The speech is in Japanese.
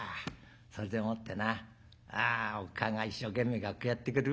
それでもってなおっかあが一生懸命学校やってくれる。